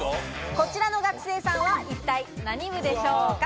こちらの学生さんは、一体何部でしょうか？